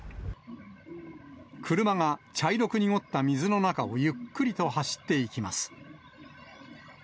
車が茶色く濁った水の中をゆっくりと走っていきます。